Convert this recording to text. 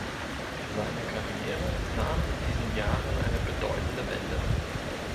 Seine Karriere nahm in diesen Jahren eine bedeutende Wende.